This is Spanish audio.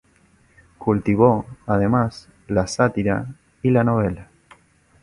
Cultivó además la sátira y la novela.